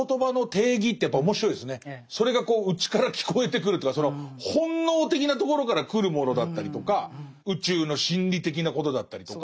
それが内から聞こえてくるというかその本能的なところから来るものだったりとか宇宙の真理的なことだったりとか。